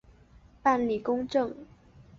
办理公证